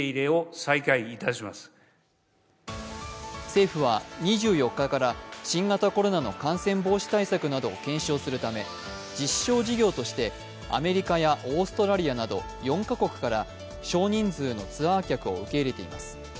政府は２４日から、新型コロナの感染防止対策などを検証するため実証事業としてアメリカやオーストラリアなど４カ国から少人数のツアー客を受け入れています。